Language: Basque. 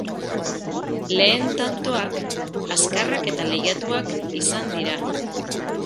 Lehen tantoak azkarrak eta lehiatuak izan dira.